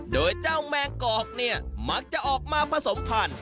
โดยเจ้าแมงกอกเนี่ยมักจะออกมาผสมพันธุ